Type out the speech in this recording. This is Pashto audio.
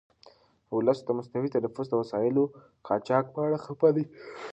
ولس د مصنوعي تنفس د وسایلو د قاچاق په اړه خفه دی.